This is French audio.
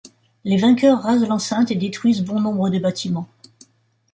Les vainqueurs rasent l'enceinte et détruisent bon nombre de bâtiments.